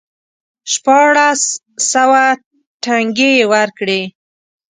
شپاړس سوه ټنګې یې ورکړې.